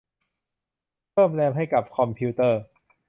เพิ่มแรมให้กับคอมพิวเตอร์